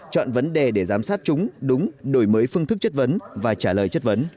chọn vấn đề để giám sát chúng đúng đổi mới phương thức chất vấn và trả lời chất vấn